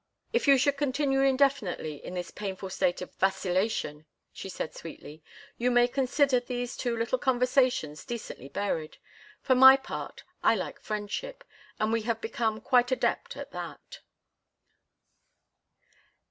"If you should continue indefinitely in this painful state of vacillation," she said, sweetly, "you may consider these two little conversations decently buried. For my part, I like friendship, and we have become quite adept at that."